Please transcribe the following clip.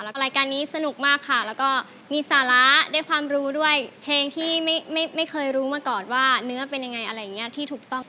แล้วก็รายการนี้สนุกมากค่ะแล้วก็มีสาระด้วยความรู้ด้วยเพลงที่ไม่เคยรู้มาก่อนว่าเนื้อเป็นยังไงอะไรอย่างนี้ที่ถูกต้อง